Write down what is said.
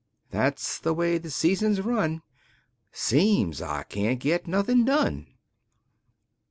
That's the way the seasons run. Seems I can't git nothin' done.